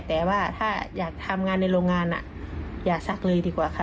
แต่ว่าถ้าอยากทำงานในโรงงานอยากซักเลยดีกว่าค่ะ